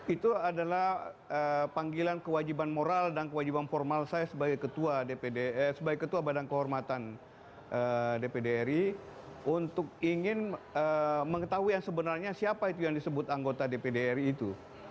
itu adalah panggilan kewajiban moral dan kewajiban formal saya sebagai ketua badan kehormatan dpd ri untuk ingin mengetahui yang sebenarnya siapa itu yang disebut anggota dpd ri itu